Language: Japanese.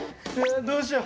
どうしよう。